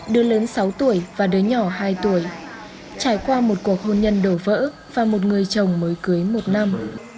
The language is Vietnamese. đứa lớn sáu tuổi và đứa nhỏ hai tuổi trải qua một cuộc hôn nhân đổ vỡ và một người chồng mới cưới một năm